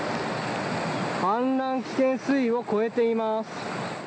氾濫危険水位を超えています。